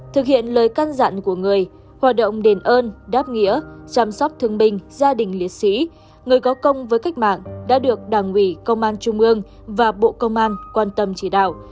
thực hiện lời căn dặn của người hoạt động đền ơn đáp nghĩa chăm sóc thương binh gia đình liệt sĩ người có công với cách mạng đã được đảng ủy công an trung ương và bộ công an quan tâm chỉ đạo